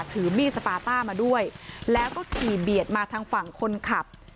ถือมีดสปาต้ามาด้วยแล้วก็ขี่เบียดมาทางฝั่งคนขับ